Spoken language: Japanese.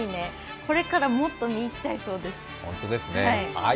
これからもっと見入っちゃいそうです。